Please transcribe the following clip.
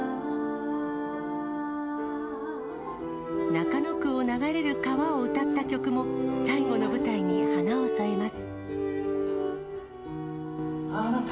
中野区を流れる川を歌った曲も、最後の舞台に花を添えます。